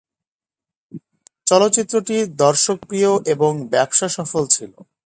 চলচ্চিত্রটি দর্শকপ্রিয় এবং ব্যবসাসফল ছিলো।